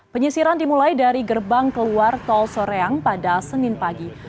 penyisiran dimulai dari gerbang keluar tol soreang pada senin pagi